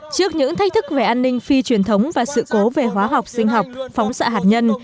trước những thách thức về an ninh phi truyền thống và sự cố về hóa học sinh học phóng xạ hạt nhân